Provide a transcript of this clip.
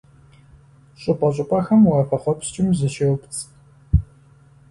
ЩӀыпӀэ-щӀыпӀэхэм уафэхъуэпскӀым зыщеупцӀ.